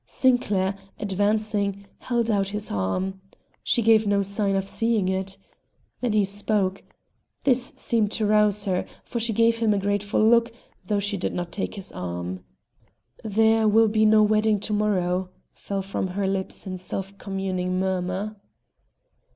Sinclair, advancing, held out his arm. She gave no sign of seeing it. Then he spoke. This seemed to rouse her, for she gave him a grateful look, though she did not take his arm. "There will be no wedding to morrow," fell from her lips in self communing murmur.